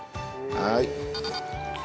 はい。